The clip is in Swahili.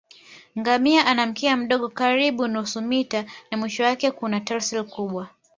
Ngamia ana mkia mdogo karibu nusu mita na mwisho wake kuna tassel kubwa